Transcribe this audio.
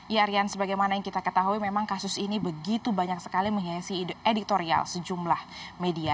ya rian sebagaimana yang kita ketahui memang kasus ini begitu banyak sekali menghiasi editorial sejumlah media